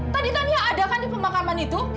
tadi tania ada kan di pemakaman itu